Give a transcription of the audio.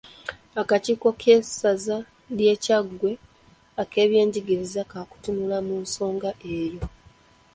Akakiiko k'essaza lya Kyaggwe ak'ebyenjigiriza kakutunula mu nsonga eyo.